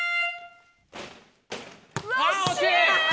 惜しい！